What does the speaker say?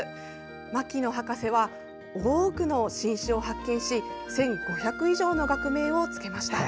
牧野博士は多くの新種を発見し１５００以上の学名をつけました。